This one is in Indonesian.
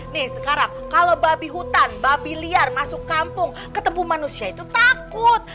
nih sekarang kalau babi hutan babi liar masuk kampung ketemu manusia itu takut